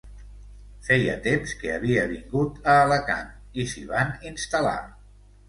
Feia temps que havia vingut a Alacant i s’hi van instal·lar.